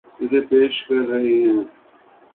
جسے پیش کر رہی ہیں